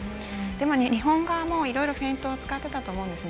日本側もいろいろフェイントを使っていたと思うんですよね。